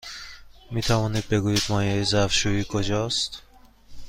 می توانید بگویید مایع ظرف شویی کجاست؟